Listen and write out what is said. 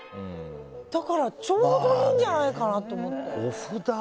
だから、ちょうどいいんじゃないかなと思って。